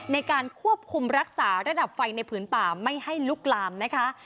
ในการควบคุมรักษาระดับไฟในผืนป่าไม่ให้ลุกลามนะคะ